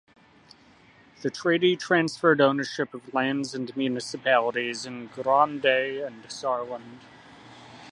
The treaty transferred ownership of lands and municipalities in Grand Est and Saarland.